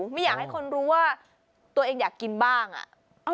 ไม่อยากให้คนรู้ว่าตัวเองอยากกินบ้างอ่ะ